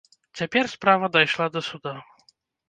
Цяпер справа дайшла да суда.